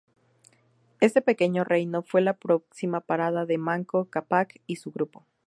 Este pequeño reino fue la próxima parada de Manco Cápac y su grupo.